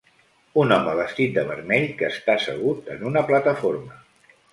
Un home vestit de vermell que està segut en una plataforma.